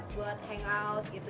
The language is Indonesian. buat hangout gitu